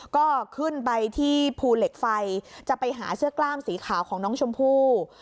ก็ขึ้นไปที่ภูเหล็กไฟจะไปหาเสื้อกล้ามสีขาวของน้องชมพู่